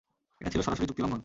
এটা ছিল সরাসরি চুক্তি লঙ্ঘন।